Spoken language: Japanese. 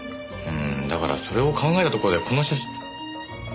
んーだからそれを考えたところでこの写真。